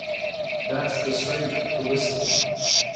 That's 'The Stranger,' the whistling.